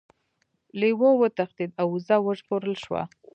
لیوه وتښتید او وزه وژغورل شوه.